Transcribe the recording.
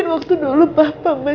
dan waktu dulu papa mas